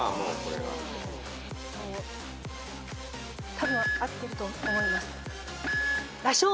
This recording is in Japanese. たぶん合ってると思います。